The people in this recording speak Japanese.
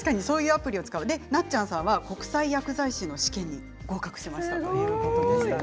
この方は国際薬剤師の試験に合格しましたということですね。